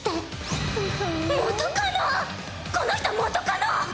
この人元カノ！